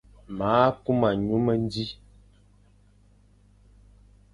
Ma a kuma nyu mendi,